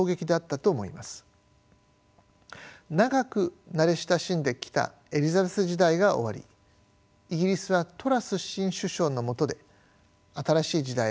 長く慣れ親しんできたエリザベス時代が終わりイギリスはトラス新首相のもとで新しい時代へと突入することになります。